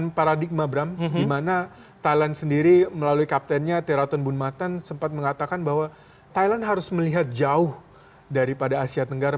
dan paradigma bram di mana thailand sendiri melalui kaptennya theraton bunmattan sempat mengatakan bahwa thailand harus melihat jauh daripada asia tenggara